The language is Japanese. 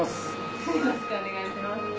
よろしくお願いします。